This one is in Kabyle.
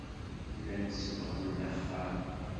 Llan sebbɣen-d axxam.